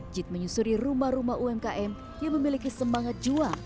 jid menyusuri rumah rumah umkm yang memiliki semangat juang